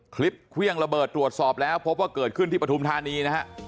เครื่องระเบิดตรวจสอบแล้วพบว่าเกิดขึ้นที่ปฐุมธานีนะฮะ